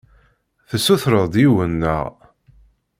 Tessutreḍ-d yiwen, naɣ?